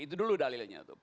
itu dulu dalilnya tuh